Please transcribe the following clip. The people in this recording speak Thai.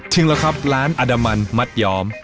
จริงแล้วครับร้านอดามันมัดยอม